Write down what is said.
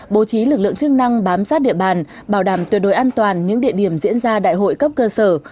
bố trí lực lượng chức năng bám sát địa bàn bảo đảm tuyệt đối an toàn những địa điểm diễn ra đại hội cấp cơ sở